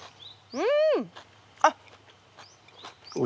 うん。